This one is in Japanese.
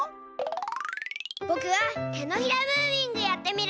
ぼくはてのひらムービングやってみる！